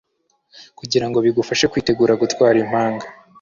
kugirango bigufashe kwitegura gutwara impanga